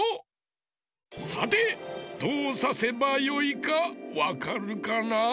さてどうさせばよいかわかるかな？